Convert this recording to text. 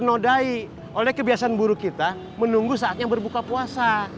oleh kebiasaan buruk kita menunggu saatnya berbuka puasa